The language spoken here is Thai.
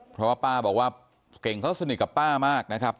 เพราะว่าป้าบอกว่าเก่งเขาสนิทกับป้ามากนะครับ